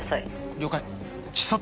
了解。